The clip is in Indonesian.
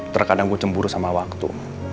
terkadang gue cemburu sama waktu